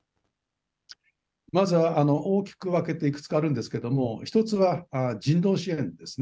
まずは大きく分けていくつかあるんですけども１つは人道支援ですね。